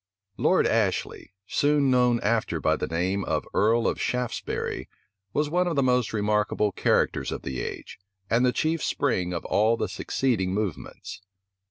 Lord Ashley, soon after known by the name of earl of Shaftesbury, was one of the most remarkable characters of the age, and the chief spring of all the succeeding movements.